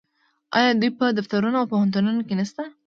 آیا دوی په دفترونو او پوهنتونونو کې نشته؟